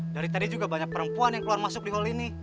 dari tadi juga banyak perempuan yang keluar masuk di hall ini